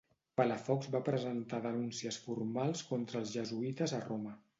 Palafox va presentar denúncies formals contra els jesuïtes a Roma.